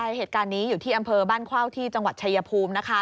ใช่เหตุการณ์นี้อยู่ที่อำเภอบ้านเข้าที่จังหวัดชายภูมินะคะ